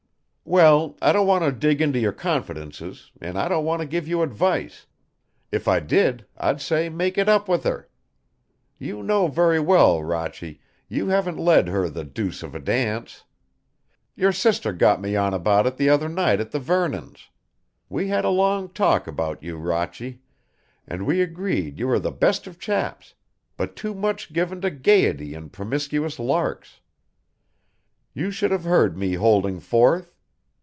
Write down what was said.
"Well, I don't want to dig into your confidences, and I don't want to give you advice. If I did, I'd say make it up with her. You know very well, Rochy, you have led her the deuce of a dance. Your sister got me on about it the other night at the Vernons'. We had a long talk about you, Rochy, and we agreed you were the best of chaps, but too much given to gaiety and promiscuous larks. You should have heard me holding forth.